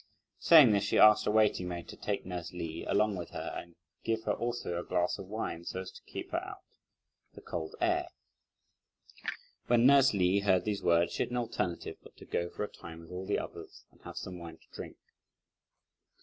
Saying this, she asked a waiting maid to take nurse Li along with her and give her also a glass of wine so as to keep out the cold air. When nurse Li heard these words, she had no alternative but to go for a time with all the others and have some wine to drink.